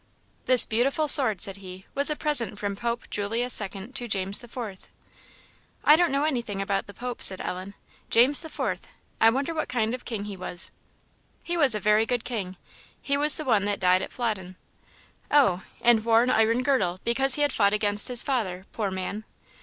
"This beautiful sword," said he, "was a present from Pope Julius Second to James the Fourth." "I don't know anything about the popes," said Ellen. "James the Fourth! I forget what kind of king he was." "He was a very good king; he was the one that died at Flodden." "Oh, and wore an iron girdle, because he had fought against his father, poor man!"